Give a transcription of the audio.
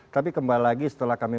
tapi kembali lagi setelah kami